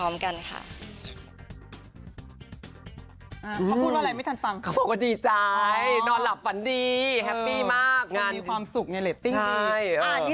มีความสุขในเรตติ้งดี